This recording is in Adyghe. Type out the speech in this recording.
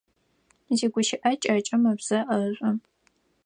Зигущыӏэ кӏэкӏым ыбзэ ӏэшӏу.